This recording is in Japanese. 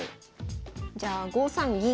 じゃあ５三銀。